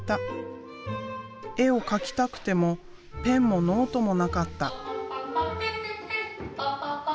絵を描きたくてもペンもノートもなかった。